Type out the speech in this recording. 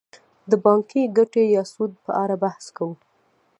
د بانکي ګټې یا سود په اړه بحث کوو